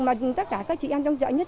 mà tất cả các chị em trong chợ nhất